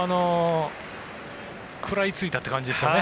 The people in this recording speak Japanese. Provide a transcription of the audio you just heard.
食らいついたという感じですよね。